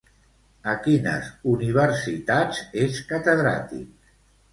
A quines universitats és catedràtic?